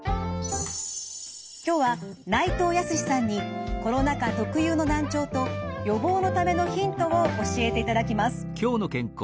今日は内藤泰さんにコロナ禍特有の難聴と予防のためのヒントを教えていただきます。